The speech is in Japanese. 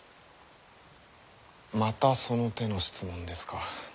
またその手の質問ですか。